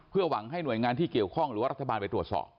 หวังให้หน่วยงานที่เกี่ยวข้องหรือว่ารัฐบาลไปตรวจสอบ